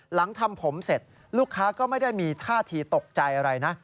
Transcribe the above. หลังทำผมเสร็จลูกค้าก็ไม่ได้มีท่าทีตกใจอะไรนะ